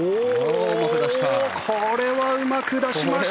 うまく出した！